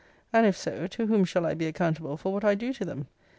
And if so, to whom shall I be accountable for what I do to them?